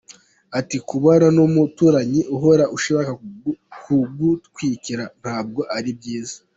Ati “Kubana n’umuturanyi uhora ushaka kugutwikira ntabwo ari byiza.